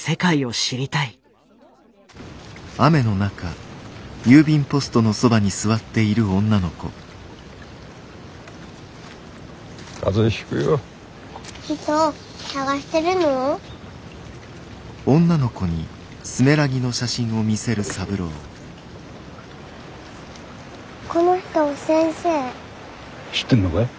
知ってんのかい？